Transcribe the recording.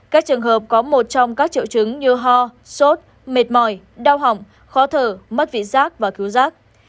các trường hợp có một trong các triệu chứng như ho sốt mệt mỏi đau hỏng khó thở mất vị giác và cứu giác